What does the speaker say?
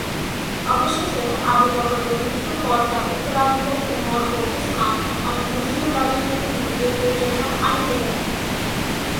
অবশেষে, আবু বকরের মৃত্যুর পর তার উত্তরাধিকারী উমর ও উসমান, অনেক মুসলিম রাজনৈতিক নেতৃত্বের জন্য আলীকে যান।